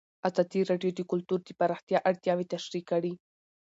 ازادي راډیو د کلتور د پراختیا اړتیاوې تشریح کړي.